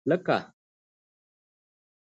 لکه.